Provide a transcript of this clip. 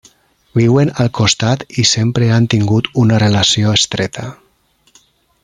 Viuen al costat i sempre han tingut una relació estreta.